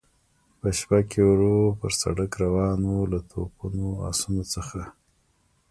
په شپه کې ورو پر سړک روان و، له توپونو، اسونو څخه.